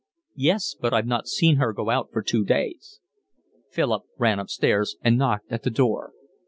"Yes, I've not seen her go out for two days." Philip ran upstairs and knocked at the door.